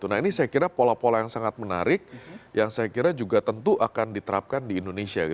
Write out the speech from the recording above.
nah ini saya kira pola pola yang sangat menarik yang saya kira juga tentu akan diterapkan di indonesia